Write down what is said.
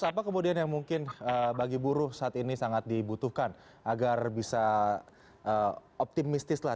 apa kemudian yang mungkin bagi buruh saat ini sangat dibutuhkan agar bisa optimistis lah